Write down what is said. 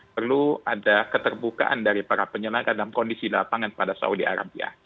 perlu ada keterbukaan dari para penyelenggara dalam kondisi lapangan pada saudi arabia